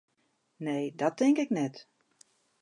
Nee, dat tink ik net.